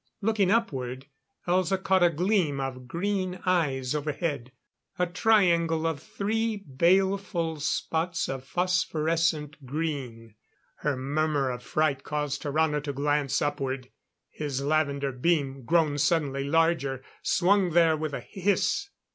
Looking upward, Elza caught a gleam of green eyes overhead. A triangle of three baleful spots of phosphorescent green. Her murmur of fright caused Tarrano to glance upward. His lavender, beam, grown suddenly larger, swung there with a hiss.